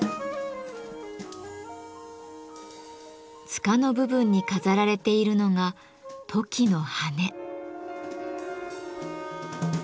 つかの部分に飾られているのがトキの羽根。